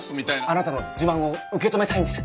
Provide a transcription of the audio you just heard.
あなたの自慢を受け止めたいんです！